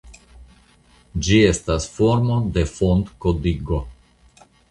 Ĝi estas formo de fontkodigo.